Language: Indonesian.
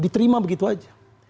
diterima begitu aja